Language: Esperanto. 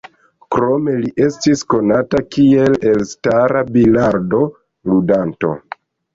Krome li estis konata kiel elstara bilardo-ludanto.